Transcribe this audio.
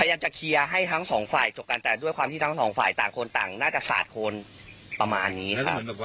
พยายามจะเคลียร์ให้ทั้งสองฝ่ายจบกันแต่ด้วยความที่ทั้งสองฝ่ายต่างคนต่างน่าจะสาดคนประมาณนี้ครับ